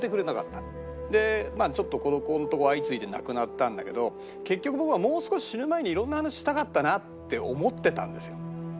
でちょっとここんとこ相次いで亡くなったんだけど結局僕はもう少し死ぬ前に色んな話したかったなって思ってたんですよ。